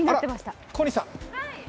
小西さん。